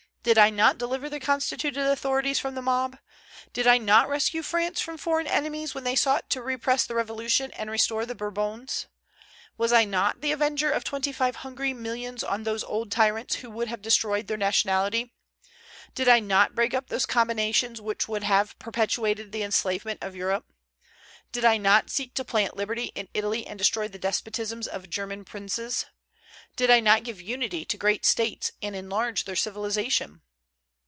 Did I not deliver the constituted authorities from the mob? Did I not rescue France from foreign enemies when they sought to repress the Revolution and restore the Bourbons? Was I not the avenger of twenty five hungry millions on those old tyrants who would have destroyed their nationality? Did I not break up those combinations which would have perpetuated the enslavement of Europe? Did I not seek to plant liberty in Italy and destroy the despotisms of German princes? Did I not give unity to great States and enlarge their civilization?